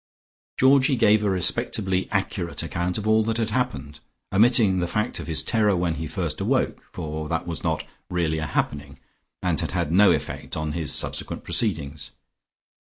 Georgie gave a respectably accurate account of all that had happened, omitting the fact of his terror when first he awoke, for that was not really a happening, and had had no effect on his subsequent proceedings.